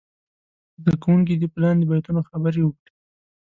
زده کوونکي دې په لاندې بیتونو خبرې وکړي.